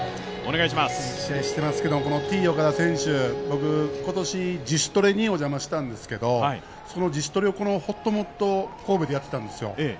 いい試合していますけど、このＴ−岡田選手、僕、今年自主トレにお邪魔したんですけどその自主トレをほっともっと神戸でやってたんですよ。